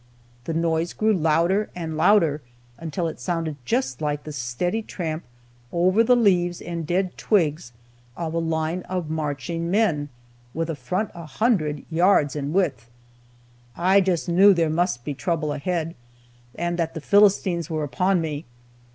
The noise grew louder, and louder, until it sounded just like the steady tramp, over the leaves and dead twigs, of a line of marching men, with a front a hundred yards in width. I just knew there must be trouble ahead, and that the Philistines were upon me.